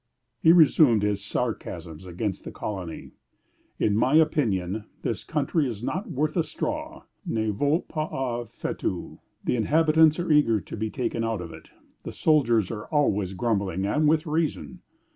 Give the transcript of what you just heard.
He resumed his sarcasms against the colony. "In my opinion this country is not worth a straw (ne vaut pas un fétu). The inhabitants are eager to be taken out of it. The soldiers are always grumbling, and with reason."